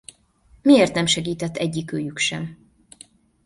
Miért nem segített egyikőjük sem?